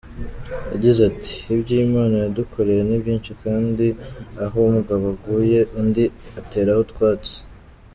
Yagize ati “Iby’Imana yadukoreye ni byinshi kandi aho umugabo aguye, undi ateraho utwatsi”